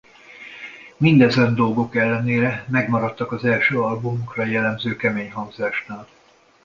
Mindezen dolgok ellenére megmaradtak az első albumukra jellemző kemény hangzásnál.